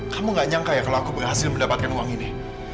kamu gak nyangka ya kalau aku berhasil mendapatkan uang ini